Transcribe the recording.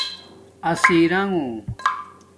اسیرنُݣ